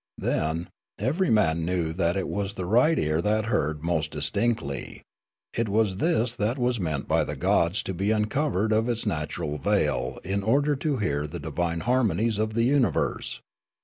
Then, ever)' man knew that it was the right ear that heard most distinctly ; it was this that was meant b}' the gods to be uncovered of its natural veil in order to hear the divine harmonies of the universe.